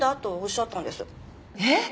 えっ？